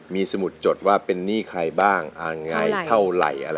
มีสมุดจดว่าเป็นหนี้ใครบ้างอะไรเท่าไหร่